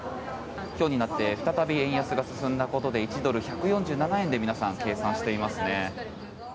今日になって再び円安が進んだことで１ドル＝１４７円で皆さん計算していますね。